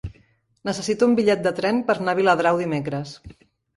Necessito un bitllet de tren per anar a Viladrau dimecres.